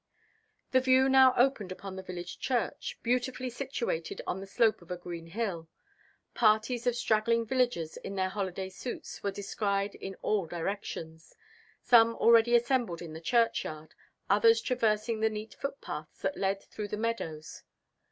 The view now opened upon the village church, beautifully situated on the slope of a green hill. Parties of straggling villagers in their holiday suits were descried in all directions, some already assembled in the churchyard, others traversing the neat footpaths that led through the meadows.